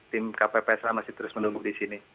tim kppsa masih terus menunggu di sini